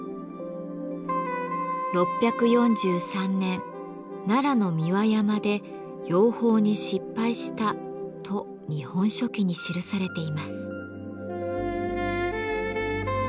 ６４３年奈良の三輪山で養蜂に失敗したと「日本書紀」に記されています。